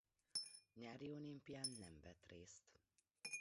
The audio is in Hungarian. Nyári olimpián nem vett részt.